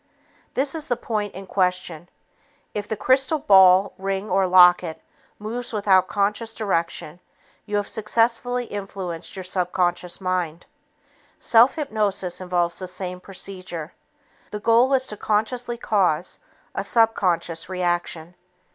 This is the point in question. If the crystal ball, ring or locket moves without conscious direction, you have successfully influenced your subconscious mind. Self hypnosis involves the same procedure. The goal is to consciously cause a subconscious reaction.